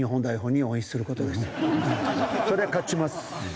そりゃ勝ちます。